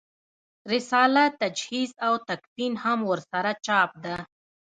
رساله تجهیز او تکفین هم ورسره چاپ ده.